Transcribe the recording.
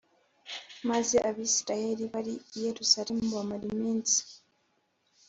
Maze abisirayeli bari i yerusalemu bamara iminsi